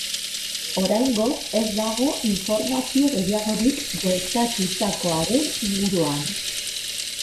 Oraingoz ez dago informazio gehiagorik gertatutakoaren inguruan.